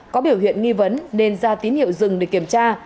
có biểu hiện nghi vấn nên ra tín hiệu dừng để kiểm tra